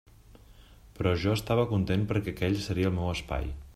Però jo estava content perquè aquell seria el meu espai.